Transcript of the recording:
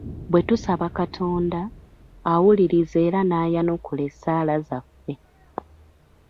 Bwe tusaba Katonda, awuliriza era n'ayanukula essaala zaffe.